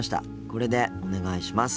これでお願いします。